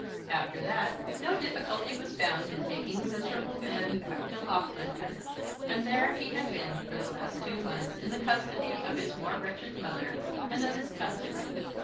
After that, no difficulty was found in taking the miserable man back to Loughlinter, and there he had been for the last two months in the custody of his more wretched mother and of his cousin.